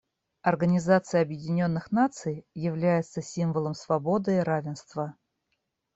Организация Объединенных Наций является символом свободы и равенства.